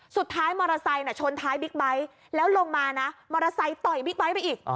สุดท้ายมอเตอร์ไซค์ชนท้ายบิ๊กไบท์แล้วลงมานะมอเตอร์ไซค์ต่อยบิ๊กไบท์ไปอีก